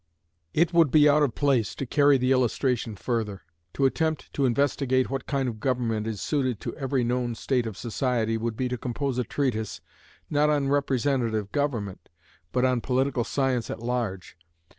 It would be out of place to carry the illustration further. To attempt to investigate what kind of government is suited to every known state of society would be to compose a treatise, not on representative government, but on political science at large.